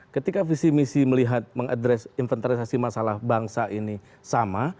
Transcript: ketika visi misi melihat mengadres inventarisasi masalah bangsa ini sama